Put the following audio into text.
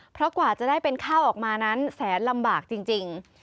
เพราะกว่าจะได้เป็นข้าวออกมานั้นแสนลำบากจริง